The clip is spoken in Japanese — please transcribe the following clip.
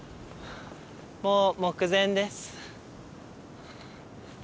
もう目前です。